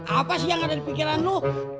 apa sih yang ada di pikiran lo